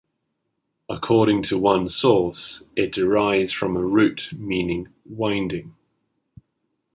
According to one source it derives from a root meaning "winding".